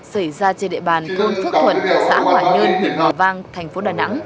xảy ra trên địa bàn thôn phước thuận xã hòa nhơn huyện hòa vang thành phố đà nẵng